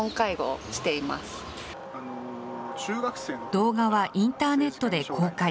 動画はインターネットで公開。